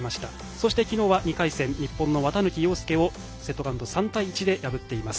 そして昨日は２回戦日本の綿貫陽介をセットカウント３対１で破っています。